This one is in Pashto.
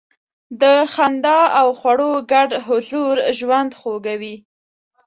د خندا او خواړو ګډ حضور ژوند خوږوي.